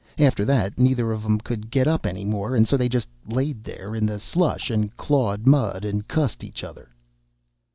After that, neither of 'em could get up any more, and so they just laid there in the slush and clawed mud and cussed each other."